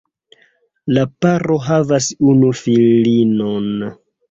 La paro havas unu filinon.